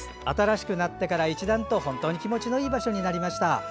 新しくなってから一段と本当に気持ちのいい場所になりました。